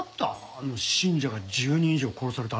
あの信者が１０人以上殺されたあの事件。